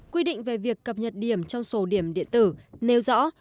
quy định về việc cập nhật điểm trong số điểm điện tử nêu rõ